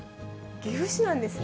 岐阜市なんですね。